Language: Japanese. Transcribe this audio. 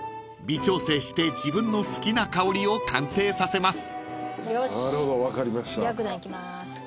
［微調整して自分の好きな香りを完成させます］